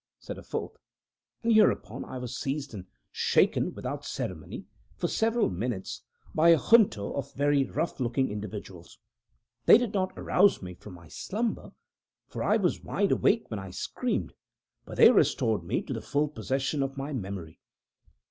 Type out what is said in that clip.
said a fourth; and hereupon I was seized and shaken without ceremony, for several minutes, by a junto of very rough looking individuals. They did not arouse me from my slumber for I was wide awake when I screamed but they restored me to the full possession of my memory.